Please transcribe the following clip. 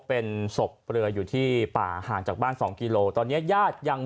เป็นศพเรืออยู่ที่ป่าห่างจากบ้านสองกิโลตอนเนี้ยญาติยัง